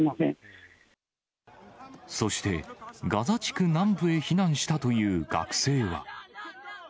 そして、ガザ地区南部へ避難したという学生は。